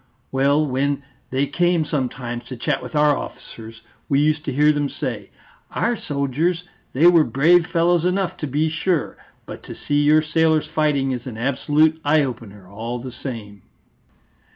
Well, when they came sometimes to chat with our officers, we used to hear them say, 'Our soldiers they were brave fellows enough, to be sure! But to see your sailors fighting is an absolute eye opener all the same.'"